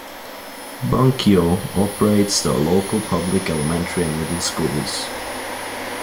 Bunkyo operates the local public elementary and middle schools.